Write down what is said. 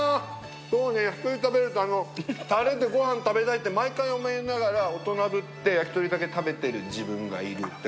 もうね普通に食べるとタレでご飯食べたいって毎回思いながら大人ぶって焼き鳥だけ食べてる自分がいるって感じ？